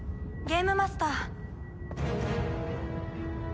ゲームマスター？